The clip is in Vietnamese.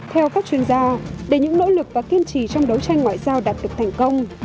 theo các chuyên gia để những nỗ lực và kiên trì trong đấu tranh ngoại giao đạt được thành công